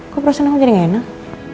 kok perasaan aku jadi gak enak